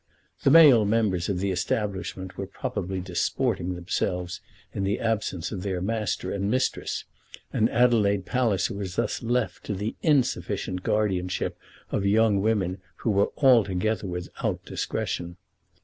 The male members of the establishment were probably disporting themselves in the absence of their master and mistress, and Adelaide Palliser was thus left to the insufficient guardianship of young women who were altogether without discretion.